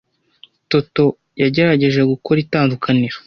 Toto yagerageje gukora itandukaniro.